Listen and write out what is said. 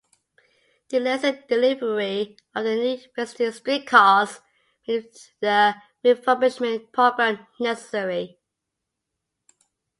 Delays in delivery of the new Flexity streetcars made the refurbishment program necessary.